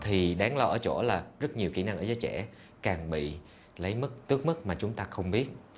thì đáng lo ở chỗ là rất nhiều kỹ năng ở giới trẻ càng bị lấy mức tước mức mà chúng ta không biết